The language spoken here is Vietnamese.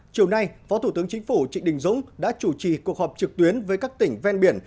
chiều nay phó thủ tướng chính phủ trịnh đình dũng đã chủ trì cuộc họp trực tuyến với các tỉnh ven biển